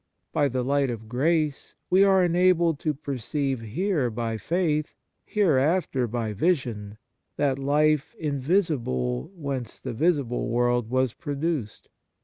By the light of grace we are* enabled to perceive here by faith, hereafter by vision, that life invisible whence the visible world was produced.